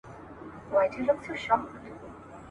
برتانويان په بېره کي ول.